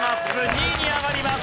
２位に上がります。